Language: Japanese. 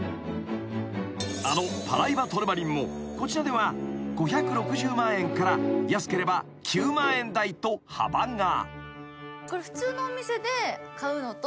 ［あのパライバトルマリンもこちらでは５６０万円から安ければ９万円台と幅が］